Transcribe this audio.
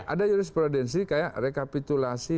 ada jurisprudensi kayak rekapitulasi